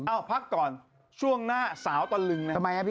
เอ้าพักก่อนช่วงหน้าสาวตอนลึงเนี่ย